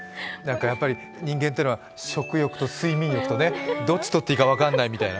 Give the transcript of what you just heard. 人間っていうのは食欲と睡眠欲とどっちとっていいか分からないみたいな。